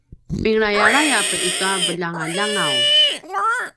minglayalayap itua veljangaljangaw